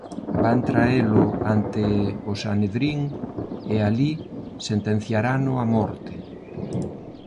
Van traelo ante o Sanedrín, e alí sentenciarano a morte.